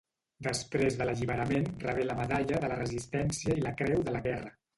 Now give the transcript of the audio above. Després de l'alliberament rebé la Medalla de la Resistència i la Creu de la Guerra.